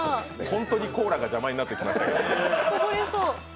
本当にコーラが邪魔になってきましたね。